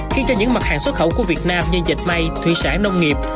khi cho những mặt hàng xuất khẩu của việt nam như dịch may thủy sản nông nghiệp